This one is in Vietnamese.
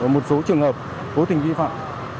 một số trường hợp vô tình vi phạm